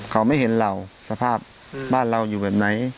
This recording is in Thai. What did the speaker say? เขาไม่เห็นเราสภาพบ้านเราอยู่แบบไหน